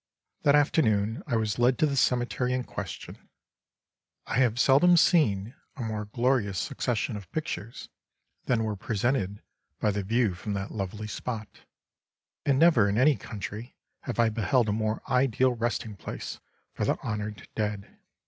That afternoon I was led to the cemetery in question. I have seldom seen a more glorious succession of pictures than were presented by the view from that lovely spot; and never in any country have I beheld a more ideal resting place for the honoured dead.